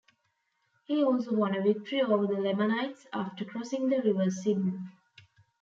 He also won a victory over the Lamanites after crossing the river Sidon.